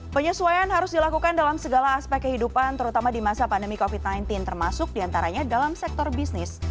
penyesuaian harus dilakukan dalam segala aspek kehidupan terutama di masa pandemi covid sembilan belas termasuk diantaranya dalam sektor bisnis